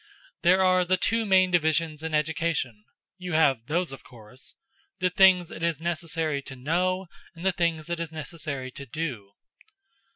There are the two main divisions in education you have those of course? the things it is necessary to know, and the things it is necessary to do."